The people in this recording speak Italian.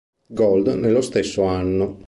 Gold nello stesso anno.